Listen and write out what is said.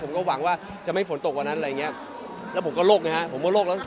ผมก็หวังว่าจะไม่ฝนตกวันนั้นอะไรอย่างเงี้ยแล้วผมก็โลกนะฮะผมก็โลกแล้ว